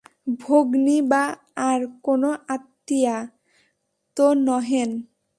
ভগ্নী বা আর কোনো আত্মীয়া তো নহেন?